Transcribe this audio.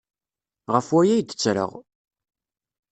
Ɣef waya ay d-ttreɣ!